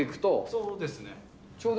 そうです。